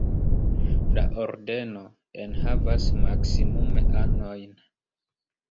La Ordeno enhavas maksimume anojn.